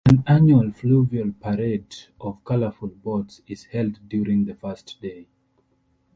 An annual fluvial parade of colorful boats is held during the first day.